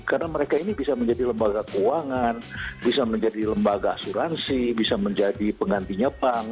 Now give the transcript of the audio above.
karena mereka ini bisa menjadi lembaga keuangan bisa menjadi lembaga asuransi bisa menjadi pengantinnya bank